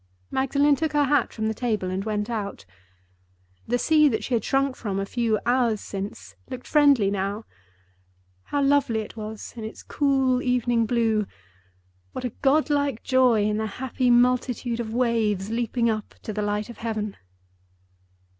Magdalen took her hat from the table and went out. The sea that she had shrunk from, a few hours since, looked friendly now. How lovely it was in its cool evening blue! What a god like joy in the happy multitude of waves leaping up to the light of heaven!